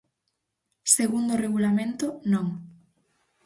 Segundo o Regulamento, non.